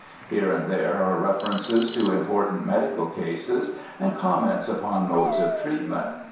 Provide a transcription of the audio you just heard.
Here and there are references to important medical cases, and comments upon modes of treatment.